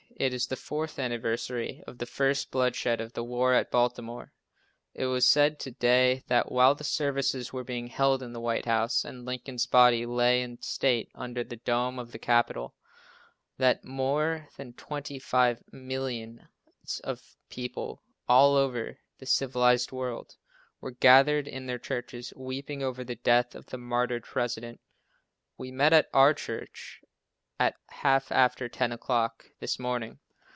It is the fourth anniversary of the first bloodshed of the war at Baltimore. It was said to day, that while the services were being held in the White House and Lincoln's body lay in state under the dome of the capitol, that more than twenty five millions of people all over the civilized world were gathered in their churches weeping over the death of the martyred President. We met at our church at half after ten o'clock this morning.